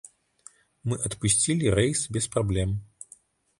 Мы адпусцілі рэйс без праблем.